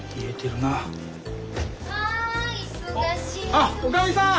あっおかみさん！